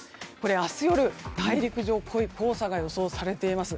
明日夜、大陸上空黄砂が予想されています。